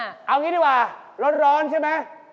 เอางี้ดีกว่าร้อนใช่ไหม